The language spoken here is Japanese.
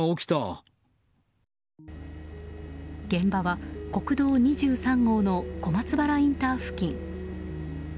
現場は国道２３号の小松原インター付近。